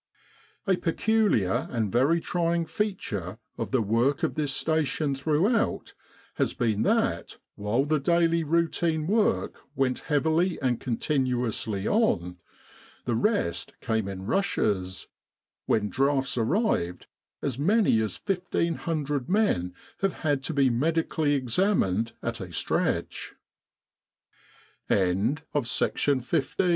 A peculiar and very trying feature of the work of this Station throughout has been that, while the daily routine work went heavily and continuously on, the rest came in rushes when drafts arrived, as many as 1,500 men have had to be medically examined at a str